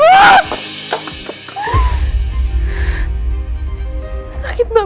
aku benci banget sama semua ini